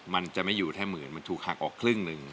มันจะไม่อยู่แค่หมื่นมันถูกหักออกครึ่งหนึ่ง